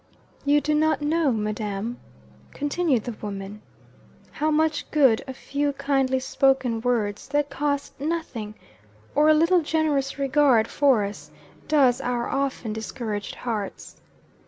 "You do not know, madam," continued the woman, "how much good a few kindly spoken words, that cost nothing, or a little generous regard for us, does our often discouraged hearts.